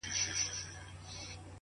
• لړۍ د اوښکو ګريوانه ته تلله,